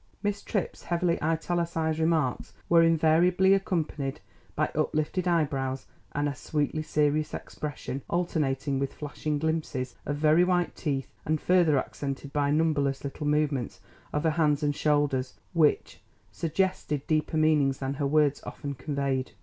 Miss Tripp's heavily italicised remarks were invariably accompanied by uplifted eyebrows, and a sweetly serious expression, alternating with flashing glimpses of very white teeth, and further accented by numberless little movements of her hands and shoulders which suggested deeper meanings than her words often conveyed.